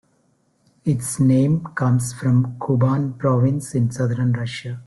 Its name comes from Kuban Province in southern Russia.